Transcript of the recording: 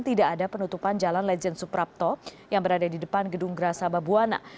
tidak ada penutupan jalan lejen suprapto yang berada di depan gedung grasa babwana